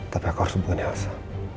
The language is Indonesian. tapi aku harus berbunyi elsa